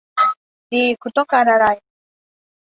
ดี คุณต้องการอะไร